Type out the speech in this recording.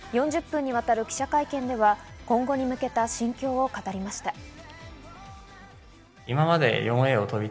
４０分にわたる記者会見では今後に向けた心境を語りました。